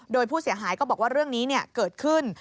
โดยผู้เสียหายก็บอกว่าเรื่องนี้เกิดขึ้น